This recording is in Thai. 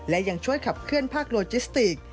และยังช่วยขับเคลื่อนภาคโลจิสติก